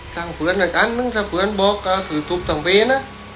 สั่งเว้นปลอดภัยสั่งเว้น